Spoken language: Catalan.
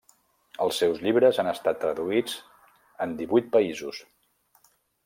Els seus llibres han estat traduïts en divuit països.